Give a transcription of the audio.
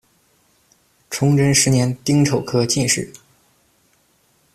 崇祯十年丁丑科进士。